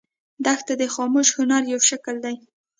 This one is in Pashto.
دښته د خاموش هنر یو شکل دی.